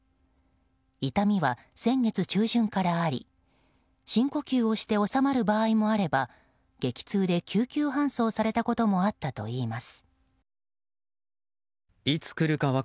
痛みは先月中旬からあり深呼吸をして収まる場合もあれば激痛で救急搬送されたこともあったといいます。